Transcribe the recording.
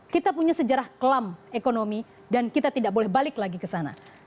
kita punya sejarah kelam ekonomi dan kita tidak boleh balik lagi ke sana